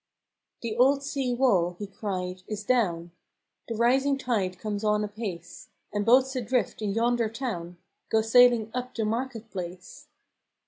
" The olde sea wall (he cried) is downe, The rising tide comes on apace, And boats adrift in yonder towne Go sailing uppe the market place."